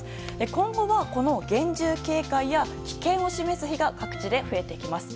今後は、この厳重警戒や危険を示す日が各地で増えてきます。